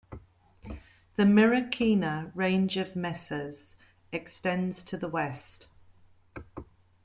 The Mirackina Range of mesas extends to the west.